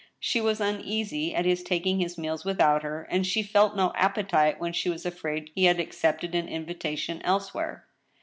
She was uneasy at his taking his meals without her ; and she felt no appetite when she was afraid he had accepted an invitation elsewhere.